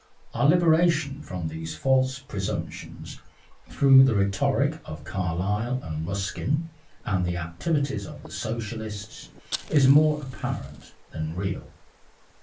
Our liberation from these false presumptions through the rhetoric of Carlyle and Ruskin and the activities of the Socialists, is more apparent than real.